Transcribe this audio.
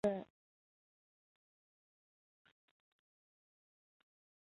中国的水能资源蕴藏量和可开发量均居世界第一位。